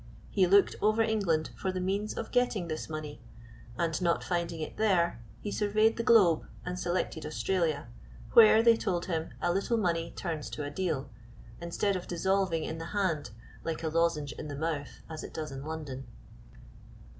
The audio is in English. He looked over England for the means of getting this money, and not finding it there, he surveyed the globe and selected Australia, where, they told him, a little money turns to a deal, instead of dissolving in the hand like a lozenge in the mouth, as it does in London.